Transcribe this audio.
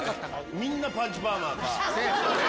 みんなパンチパーマ。